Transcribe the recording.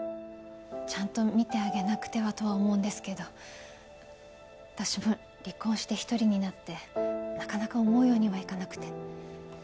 ちゃんと見てあげなくてはとは思うんですけど私も離婚して独りになってなかなか思うようにはいかなくて。